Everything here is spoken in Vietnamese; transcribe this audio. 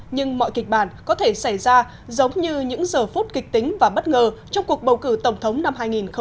nhưng mọi kịch bản có thể xảy ra giống như những giờ phút kịch tính và bất ngờ trong cuộc bầu cử tổng thống năm hai nghìn một mươi sáu